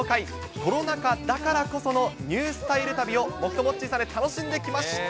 コロナ禍だからこそのニュースタイル旅を、僕とモッチーさんで楽しんできました。